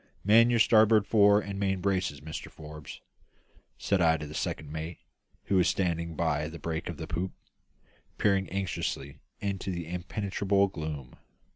"Man your starboard fore and main braces, Mr Forbes," said I to the second mate, who was standing by the break of the poop, peering anxiously into the impenetrable gloom.